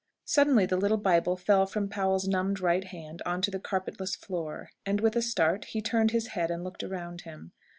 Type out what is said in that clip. Suddenly the little Bible fell from Powell's numbed right hand on to the carpetless floor, and, with a start, he turned his head and looked around him.